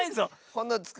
「ほ」のつく